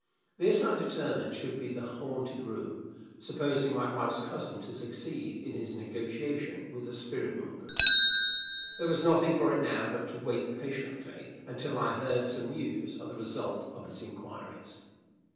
This, I determined, should be the haunted room, supposing my wife's cousin to succeed in his negotiation with the spirit mongers. There was nothing for it now but to wait patiently until I heard some news of the result of his inquiries.